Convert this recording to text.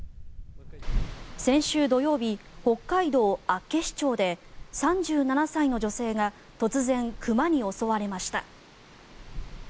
先週土曜日、北海道厚岸町で３７歳の女性が突然、熊に襲われました。